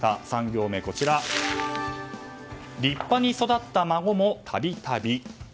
３行目立派に育った孫もたびたび。